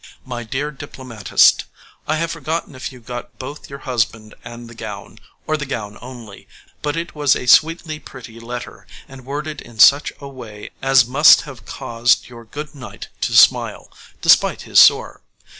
}] My dear diplomatist, I have forgotten if you got both your husband and the gown, or the gown only, but it was a sweetly pretty letter, and worded in such a way as must have caused your good knight to smile, despite his sore.